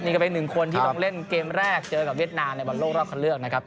นี่ก็เป็นหนึ่งคนที่ลงเล่นเกมแรกเจอกับเวียดนามในบอลโลกรอบคันเลือกนะครับ